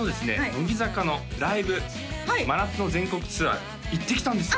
乃木坂のライブはい真夏の全国ツアーに行ってきたんですよ